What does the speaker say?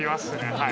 はい